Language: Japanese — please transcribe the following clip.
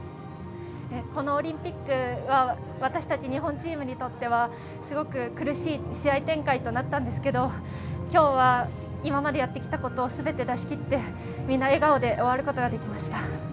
このオリンピックは私たち日本チームにとっては、すごく苦しい試合展開となったんですけれど、今日は今までやってきたことを全て出し切って、みんな笑顔で終わることができました。